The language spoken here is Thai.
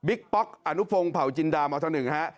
บิ๊กป๊อกอานุภงป่าวจิสต์จินดามบริกตัวนึงครับ